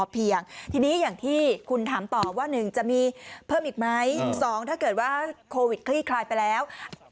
เพิ่มอีกไหมสองถ้าเกิดว่าโควิดคลี่คลายไปแล้ว